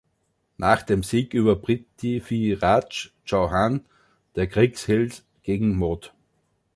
Nach dem Sieg über PrithviRaj Chauhan, der Kriegsheld gegen Mohd.